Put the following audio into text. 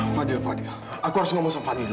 fadil fadil aku harus ngomong sama fadil dulu